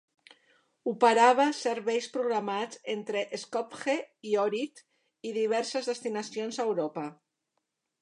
Operava serveis programats entre Skopje i Ohrid i diverses destinacions a Europa.